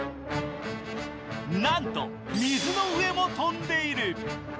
なんと水の上も飛んでいる。